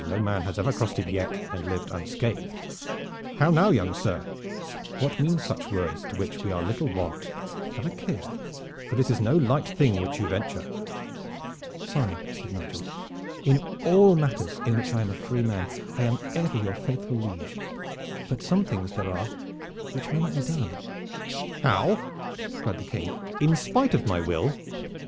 no man has ever crossed it yet and lived unscathed. How now, young sir, what mean such words, to which we are little wont? Have a care, for this is no light thing which you venture." "Sire," said Nigel, "in all matters in which I am a free man I am ever your faithful liege, but some things there are which may not be done." "How?" cried the King. "In spite of my will?"